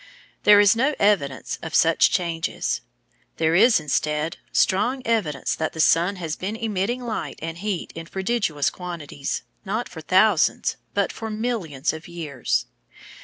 There is no evidence of such changes. There is, instead, strong evidence that the sun has been emitting light and heat in prodigious quantities, not for thousands, but for millions of years.